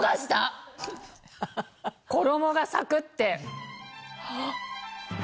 衣がサクって！